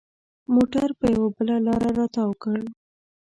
موټر پر یوه بله لاره را تاو کړ.